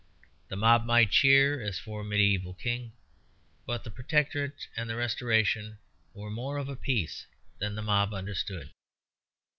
The mob might cheer as for a mediæval king; but the Protectorate and the Restoration were more of a piece than the mob understood.